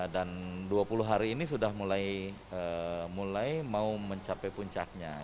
dan dua puluh hari ini sudah mulai mau mencapai puncaknya